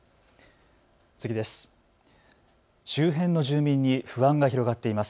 次です。